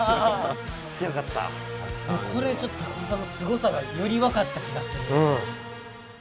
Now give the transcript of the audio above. これちょっと尾さんのすごさがより分かった気がする。